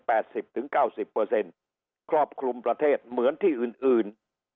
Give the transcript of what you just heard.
สิบถึงเก้าสิบเปอร์เซ็นต์ครอบคลุมประเทศเหมือนที่อื่นอื่น